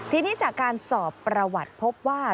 ทีนี้จากการสอบประวัติพบว่า